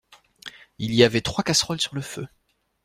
Il y avait trois casseroles sur le feu.